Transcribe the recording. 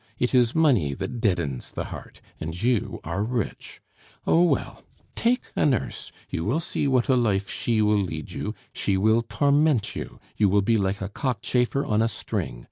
It is money that deadens the heart; and you are rich! Oh, well, take a nurse, you will see what a life she will lead you; she will torment you, you will be like a cockchafer on a string.